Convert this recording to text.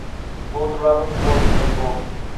Por otro lado, Boys Say Go!